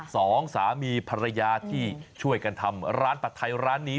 สองสามีภรรยาที่ช่วยกันทำร้านผัดไทยร้านนี้